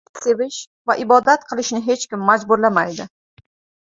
• Sevish va ibodat qilishni hech kim majburlamaydi.